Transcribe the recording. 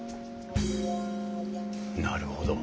なるほど。